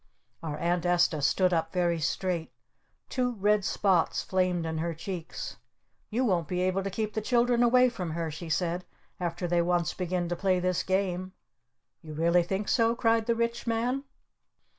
Our Aunt Esta stood up very straight. Two red spots flamed in her cheeks. "You won't be able to keep the children away from her," she said, "after they once begin to play this game!" "You really think so?" cried the Rich Man.